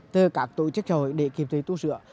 từ các tổ chức hội để kịp thời tu sửa